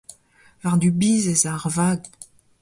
War du Biz ez a ar vag.